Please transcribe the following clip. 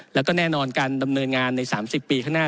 แล้วก็แน่นอนการดำเนินงานใน๓๐ปีข้างหน้า